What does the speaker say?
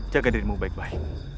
jaga dirimu baik baik